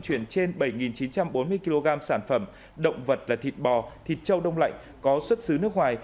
chuyển trên bảy chín trăm bốn mươi kg sản phẩm động vật là thịt bò thịt châu đông lạnh có xuất xứ nước ngoài